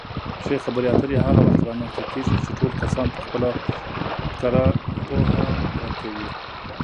ښې خبرې اترې هغه وخت رامنځته کېږي چې ټول کسان پخپله کره پوهه ورکوي.